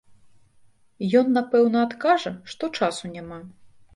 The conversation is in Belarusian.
Ён, напэўна, адкажа, што часу няма.